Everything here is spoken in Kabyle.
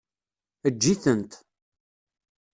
Eǧǧ-itent.